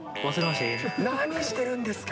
何してるんですか。